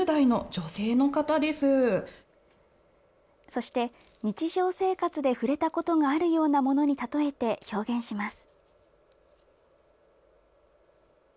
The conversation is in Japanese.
そして、日常生活で触れたことがあるようなものに例えて表現します。